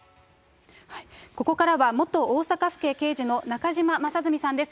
ここからは元大阪府警刑事の中島正純さんです。